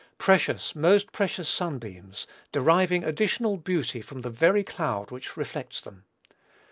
Precious, most precious sunbeams, deriving additional beauty from the very cloud which reflects them!